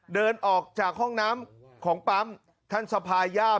เดินออกจากห้องน้ำของปั๊มท่านสภาย่า